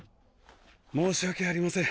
申し訳ありません